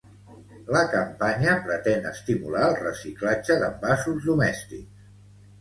La campanya pretén estimular el reciclatge d'envasos domèstics.